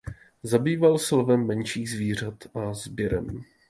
Zabýval se lovem menších zvířat a sběrem.